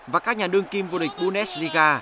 và các nhà đương kim vô địch bundesliga